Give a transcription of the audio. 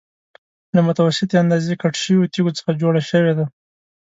له متوسطې اندازې کټ شویو تېږو څخه جوړه شوې ده.